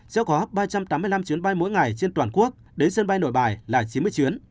sẽ có ba trăm tám mươi năm chuyến bay mỗi ngày trên toàn quốc đến sân bay nội bài là chín mươi chuyến